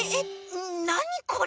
なにこれ？